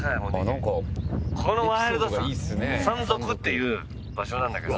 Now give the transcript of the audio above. このワイルドさ山賊っていう場所なんだけど。